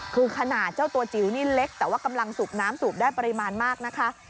คือขนาดเจ้าตัวจิ๋วนี่เล็กแต่ว่ากำลังสูบน้ำสูบได้ปริมาณมากนะคะ